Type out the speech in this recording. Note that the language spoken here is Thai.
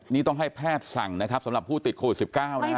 นี่ต้องให้แพทย์สั่งนะครับสำหรับผู้ติดโควิด๑๙นะฮะ